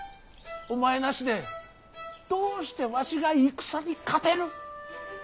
お前なしでどうしてわしが戦に勝てる。